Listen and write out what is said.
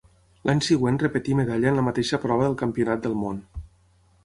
L'any següent repetí medalla en la mateixa prova al Campionat del món.